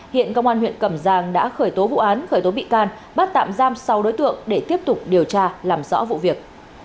hiện công an huyện cẩm giang đã khởi tố vụ án khởi tố bị can bắt tạm giam sáu đối tượng để tiếp tục điều tra làm rõ vụ việc